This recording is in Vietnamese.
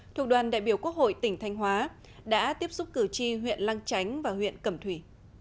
thuộc đoàn đại biểu quốc hội tỉnh thanh hóa đã tiếp xúc cử tri huyện lăng chánh và huyện cẩm thủy